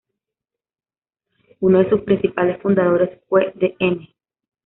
Uno de sus principales fundadores fue Dn.